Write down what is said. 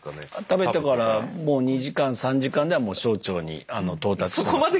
食べてからもう２時間３時間ではもう小腸に到達してます。